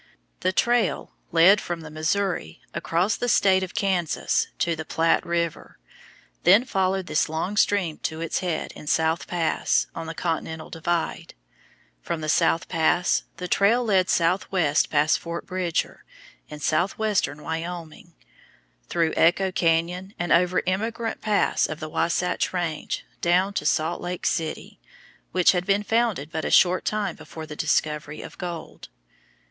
The trail led from the Missouri across the state of Kansas to the Platte River, then followed this long stream to its head at South Pass on the continental divide. From the South Pass the trail led southwest past Fort Bridger, in southwestern Wyoming, through Echo Cañon and over Emigrant pass of the Wasatch Range down to Salt Lake City, which had been founded but a short time before the discovery of gold.